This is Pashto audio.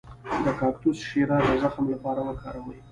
د کاکتوس شیره د زخم لپاره وکاروئ